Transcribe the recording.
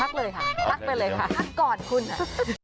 เลยค่ะทักไปเลยค่ะพักก่อนคุณค่ะ